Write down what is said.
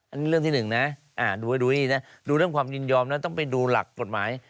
อันนี้เรื่องที่หนึ่งนะดูให้ดูนี่นะดูเรื่องความยินยอมนะต้องไปดูหลักกฎหมาย